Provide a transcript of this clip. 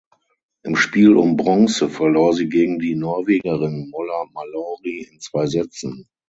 Im Spiel um Bronze verlor sie gegen die Norwegerin Molla Mallory in zwei Sätzen.